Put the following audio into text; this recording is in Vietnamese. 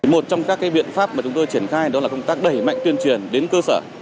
một trong các biện pháp mà chúng tôi triển khai đó là công tác đẩy mạnh tuyên truyền đến cơ sở